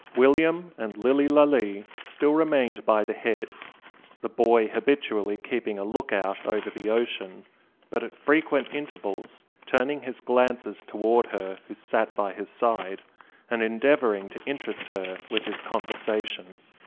William and Lilly Lalee still remained by the head, the boy habitually keeping a lookout over the ocean, but at frequent intervals turning his glances towards her who sat by his side, and endeavouring to interest her with his conversation.